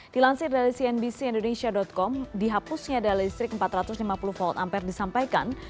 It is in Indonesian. dilansir dari cnbc indonesia com dihapusnya daya listrik empat ratus lima puluh volt ampere disampaikan